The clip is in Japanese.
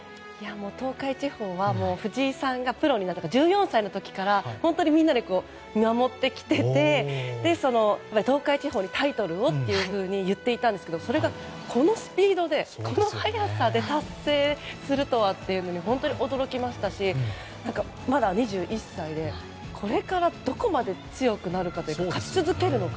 東海地方は藤井さんがプロになった１４歳から本当にみんなで見守ってきていて東海地方でタイトルをというふうに言っていたんですけどそれが、このスピードでこの速さで達成するとはってことで本当に驚きましたしまだ２１歳でこれからどこまで強くなるかというか勝ち続けるのか。